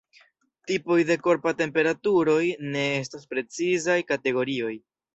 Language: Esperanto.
Tipoj de korpa temperaturoj ne estas precizaj kategorioj.